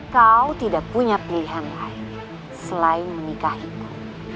kau tidak punya pilihan lain selain menikah itu